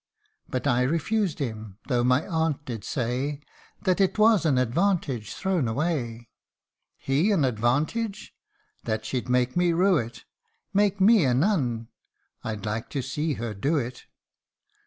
But I refused him ; though my aunt did say " That it was an advantage thrown away ;" (He an advantage !)" that she'd make me rue it Make me a nun " I'd like to see her do it